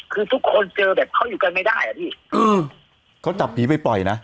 คือทุกคนเจอเขาอยู่กันไม่ได้